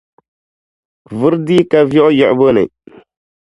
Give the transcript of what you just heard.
Vuri dii ka viɣu yiɣibu ni.